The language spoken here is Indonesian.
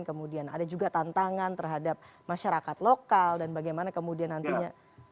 kemudian ada juga tantangan terhadap masyarakat lokal dan bagaimana kemudian nantinya